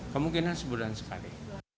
kemungkinan sebulan sekali